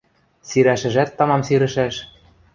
Сирӓшӹжӓт тамам сирӹшӓш.